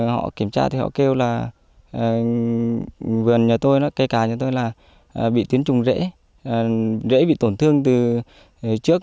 họ kiểm tra thì họ kêu là vườn nhà tôi cây cà nhà tôi là bị tiến trùng rễ rễ bị tổn thương từ trước